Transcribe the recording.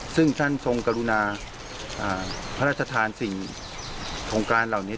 ซึ่งท่านทรงกรุณาพระราชทานสิ่งโครงการเหล่านี้